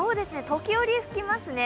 時折吹きますね。